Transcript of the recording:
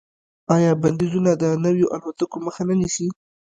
آیا بندیزونه د نویو الوتکو مخه نه نیسي؟